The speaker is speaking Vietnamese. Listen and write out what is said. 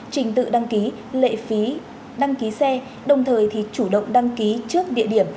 trình tự đăng ký lệ phí đăng ký xe đồng thời thì chủ động đăng ký trước địa điểm